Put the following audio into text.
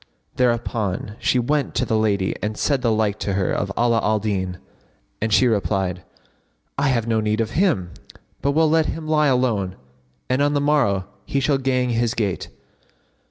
Thereupon she went to the lady and said the like to her of Ala al Din, and she replied, "I have no need of him, but will let him lie alone, and on the morrow he shall gang his gait."